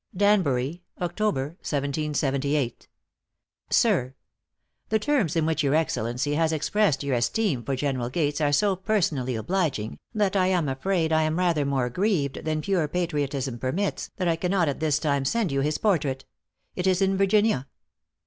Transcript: Danbury, Oct., 1778. Sir: The terms in which your Excellency has expressed your esteem for General Gates are so personally obliging, that I am afraid I am rather more grieved than pure patriotism permits, that I cannot at this time send you his portrait. It is in Virginia.